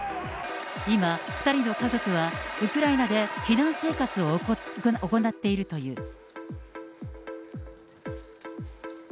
今、２人の家族はウクライナで避難生活を行っているという。